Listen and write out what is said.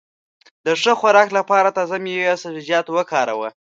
د ښه خوراک لپاره تازه مېوې او سبزيجات وکاروه.